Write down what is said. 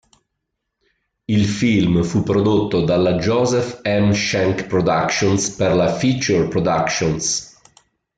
Il film fu prodotto dalla Joseph M. Schenck Productions per la Feature Productions.